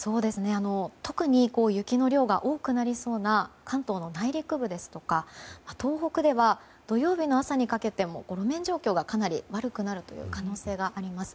特に雪の量が多くなりそうな関東の内陸部ですとか、東北では土曜日の朝にかけても路面状況がかなり悪くなる可能性があります。